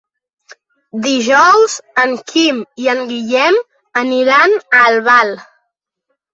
Dijous en Quim i en Guillem aniran a Albal.